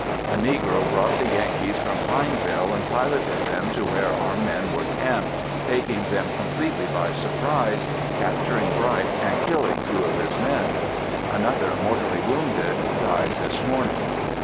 A negro brought the Yankees from Pineville and piloted them to where our men were camped taking them completely by surprise, capturing Bright and killing two of his men. Another mortally wounded, died this morning.